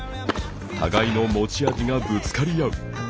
互いの持ち味がぶつかり合う。